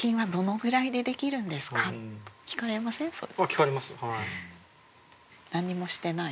聞かれますよはい。